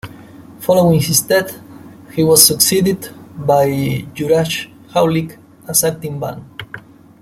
Following his death he was succeeded by Juraj Haulik as acting ban.